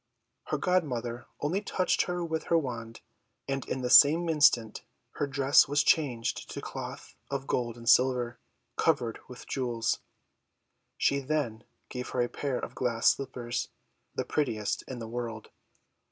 Her godmother only touched her with her wand, and in the same instant her dress was changed to cloth of gold and silver, covered with jewels. She then gave her a pair of glass slippers, the prettiest in the world.